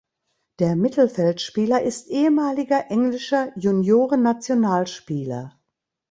Der Mittelfeldspieler ist ehemaliger englischer Juniorennationalspieler.